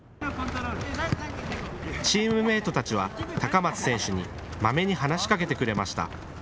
チームメートたちは高松選手にまめに話しかけてくれました。